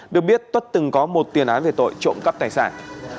được biết tất từng có một tiền án về tội trộm cắp tài sản